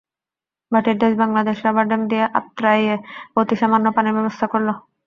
ভাটির দেশ Bangladesh rubber dam দিয়ে আত্রাইয়ে অতি সামান্য পানির ব্যবস্থা করল।